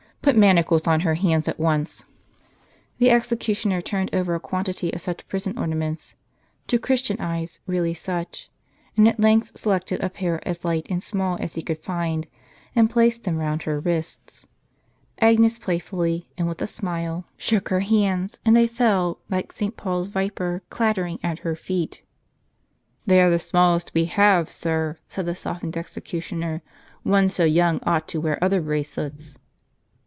Put manacles on her hands at once." The executioner turned over a quantity of such prison ornaments, — to Christian eyes really such, — and at length selected a pair as light and small as he could find, and placed them round her wrists. Agnes playfully, and with a smile. n The judge angrily reproved the executioner for his hesitation, and bid him at once do his duty. shook her hands, and they fell, like St. Paul's viper, clatter ing at her feet.* "They are the smallest we have, sir," said the softened executioner: "one so young ought to wear other bracelets."